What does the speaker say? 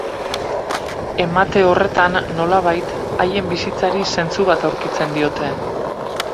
Emate horretan, nolabait, haien bizitzari zentzu bat aurkitzen diote.